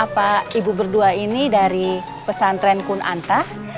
bapak ibu berdua ini dari pesantren kun antah